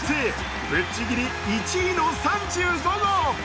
ぶっちぎり１位の３５号。